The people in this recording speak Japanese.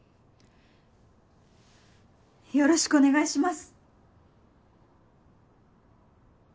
よろしくお願いします。